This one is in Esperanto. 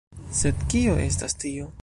Sed kio estas tio?